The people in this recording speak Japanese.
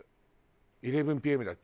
『１１ＰＭ』だっけ？